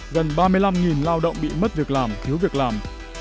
gần ba mươi năm lao động bị mất việc làm thiếu việc làm